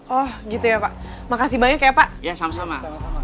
oh gitu ya pak makasih banyak ya pak ya sama sama